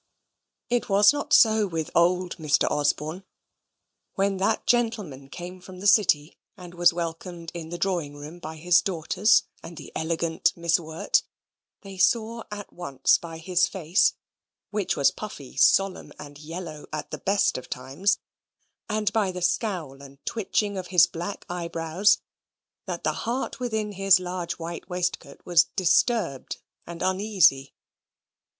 It was not so with old Mr. Osborne. When that gentleman came from the City, and was welcomed in the drawing room by his daughters and the elegant Miss Wirt, they saw at once by his face which was puffy, solemn, and yellow at the best of times and by the scowl and twitching of his black eyebrows, that the heart within his large white waistcoat was disturbed and uneasy.